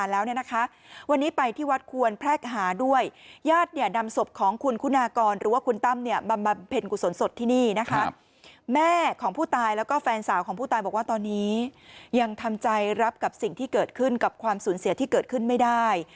และนั่นแหละมันก็เหมือนกับความสูญเสียที่เกิดขึ้นไม่ได้